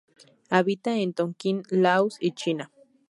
Habita en Tonkin, Laos y China.